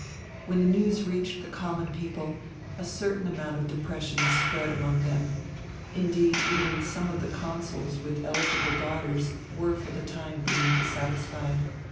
When the news reached the common people a certain amount of depression spread among them, indeed even some of the consuls with eligible daughters were for the time being dissatisfied.